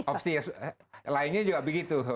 opsi lainnya juga begitu